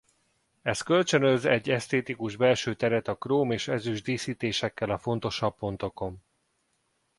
Ez kölcsönöz egy esztétikus belső teret a króm és ezüst díszítésekkel a fontosabb pontokon.